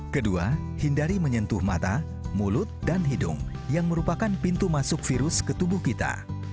kedua hindari menyentuh mata mulut dan hidung yang merupakan pintu masuk virus ke tubuh kita